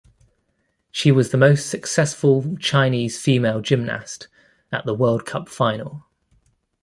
She was the most successful Chinese female gymnast at the World Cup Final.